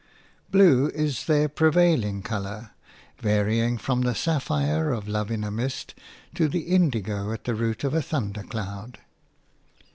Blue is their prevailing colour, varying from the sapphire of Love in a Mist to the indigo at the root of a thundercloud.